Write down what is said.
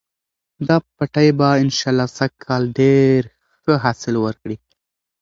دا پټی به انشاالله سږکال ډېر ښه حاصل ورکړي.